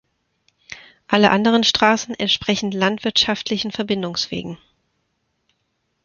Alle anderen Straßen entsprechen landwirtschaftlichen Verbindungswegen.